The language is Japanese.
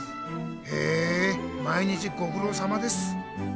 へえ毎日ごくろうさまです。